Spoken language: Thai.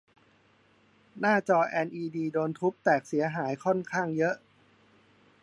หน้าจอแอลอีดีโดนทุบแตกเสียหายค่อนข้างเยอะ